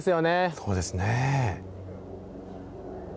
そうですね。